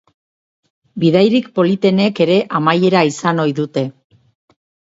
Bidaiarik politenek ere amaiera izan ohi dute.